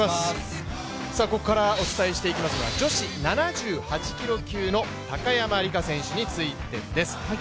ここからお伝えしていきますのは女子７８キロ級の高山莉加選手についてです。